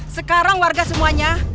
sekarang warga semuanya